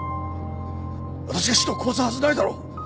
私が人を殺すはずないだろう！